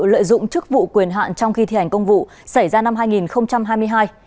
lợi dụng chức vụ quyền hạn trong khi thi hành công vụ xảy ra năm hai nghìn hai mươi hai